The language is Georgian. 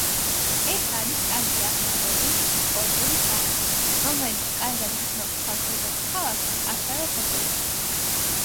ეს არის კარგი აღნაგობის, სპორტული ძაღლი, რომელიც კარგად გრძნობს თავს როგორც ქალაქში, ასევე სოფელში.